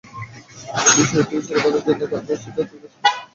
বিষয়টি সমাধানের জন্য তার মায়ের সিদ্ধান্তকেই বিবেচনা করার নির্দেশ দেন তিনি।